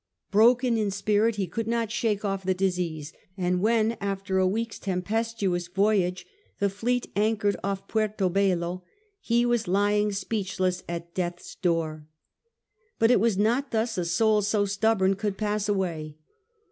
Broken in spirit he could not shake off the disease, and when, after a week's tempestuous voyage, the fleet anchored off Puerto Bello, he was lying speechless at death's door. But it was not thus a soul so stubborn could pass away.